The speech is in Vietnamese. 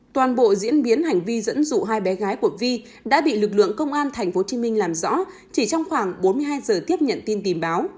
toàn bộ diễn biến hành vi dẫn dụ hai bé gái của vi đã bị lực lượng công an tp hcm làm rõ chỉ trong khoảng bốn mươi hai giờ tiếp nhận tin tìm báo